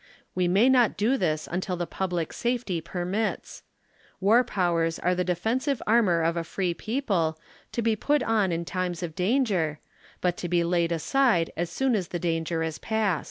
AVe may not do this until the public safety permits. "War powers are the defensive armor of a free people, to be put on in times of danger, l)ut to be laid aside as soon as the danger is past.